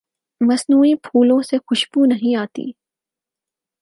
مصنوعی پھولوں سے خوشبو نہیں آتی